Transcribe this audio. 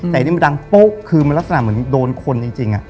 แต่อันนี้มันดังโป๊ะคือมันลักษณะเหมือนโดนคนจริง